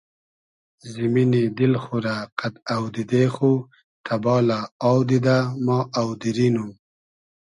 زیمینی دیل خو رۂ قئد اۆدیدې خو تئبالۂ آو دیدۂ ما آودیری نوم